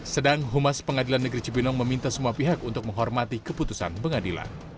sedang humas pengadilan negeri cibinong meminta semua pihak untuk menghormati keputusan pengadilan